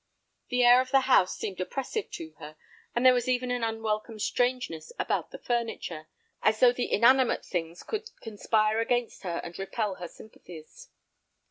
The air of the house seemed oppressive to her, and there was even an unwelcome strangeness about the furniture, as though the inanimate things could conspire against her and repel her sympathies.